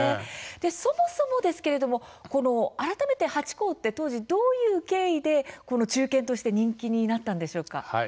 そもそもですけれども改めてハチ公は、どういう経緯で忠犬として人気になったんでしょうか。